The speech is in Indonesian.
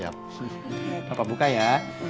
papa buka ya